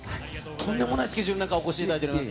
とんでもないスケジュールの中、お越しいただいております。